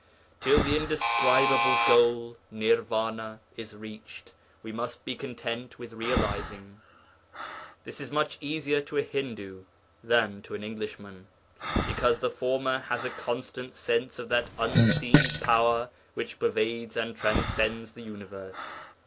Till the indescribable goal (Nirvana) is reached, we must be content with realizing. This is much easier to a Hindu than to an Englishman, because the former has a constant sense of that unseen power which pervades and transcends the universe.